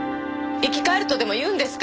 生き返るとでも言うんですか？